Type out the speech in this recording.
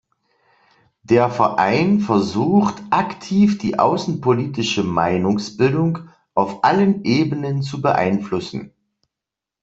Der Verein versucht, aktiv die außenpolitische Meinungsbildung auf allen Ebenen zu beeinflussen.